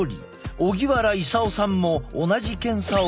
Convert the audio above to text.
荻原功さんも同じ検査を受ける。